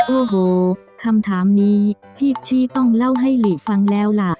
โอ้โหคำถามนี้พี่ชี้ต้องเล่าให้หลีฟังแล้วล่ะ